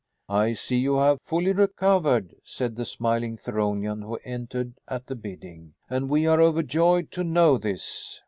"I see you have fully recovered," said the smiling Theronian who entered at the bidding, "and we are overjoyed to know this.